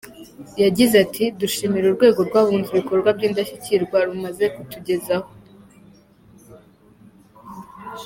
Yagize ati” Dushimira urwego rw’abunzi ibikorwa by’indashyirwa rumaze kutugezaho.